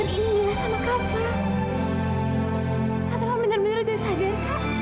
kenapa kamu panggil aku tovan